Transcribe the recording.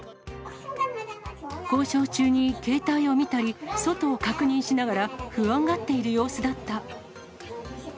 交渉中に携帯を見たり、外を確認しながら、不安がっている様子だった。